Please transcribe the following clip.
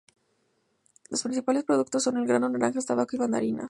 Los principales productos son el grano, naranjas, tabaco y mandarinas.